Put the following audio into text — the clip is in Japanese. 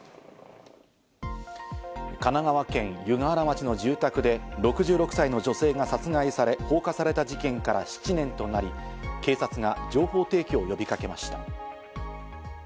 神奈川県湯河原町の住宅で６６歳の女性が殺害され、放火された事件から７年となり、警察が情報提供を呼びかけました。